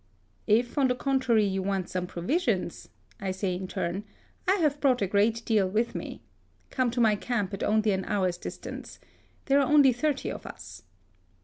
* If, on the con trary, you want some provisions,' I say in THE SUEZ CANAL. 45 turn, * I have brought a great deal with me. Come to my camp at only an hour's dis tance. There are only thirty of us.'